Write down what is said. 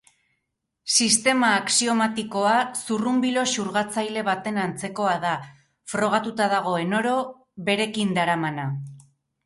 Sistema axiomatikoa zurrunbilo xurgatzaile baten antzekoa da, frogatuta dagoen oro berekin daramana.